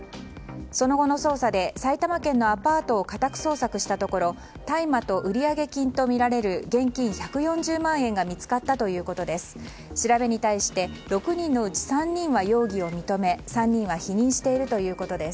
その後の捜査で埼玉県のアパートを家宅捜索したところ大麻と売上金とみられる現金１４０万円が見つかったということです。